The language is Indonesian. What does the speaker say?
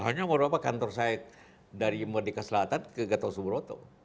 hanya merubah kantor saya dari merdeka selatan ke gatow suburoto